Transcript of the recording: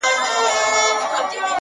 پیدا کړي خدای له اصله ظالمان یو؛